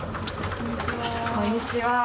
こんにちは。